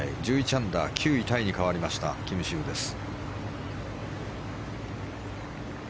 １１アンダー、９位タイに変わりました、キム・シウです。